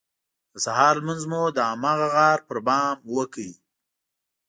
د سهار لمونځ مو د هماغه غار پر بام وکړ.